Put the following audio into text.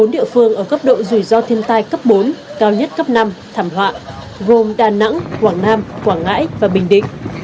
bốn địa phương ở cấp độ rủi ro thiên tai cấp bốn cao nhất cấp năm thảm họa gồm đà nẵng quảng nam quảng ngãi và bình định